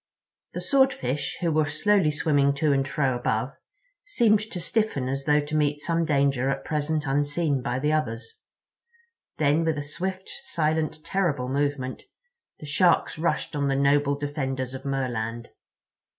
The Swordfish, who were slowly swimming to and fro above, seemed to stiffen as though to meet some danger at present unseen by the others. Then, with a swift, silent, terrible movement, the Sharks rushed on the noble defenders of Merland.